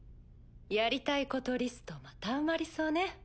やりたいことリストまた埋まりそうね。